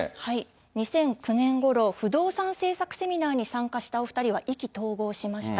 ２００９年ごろ、不動産政策セミナーに参加したお２人は意気投合しました。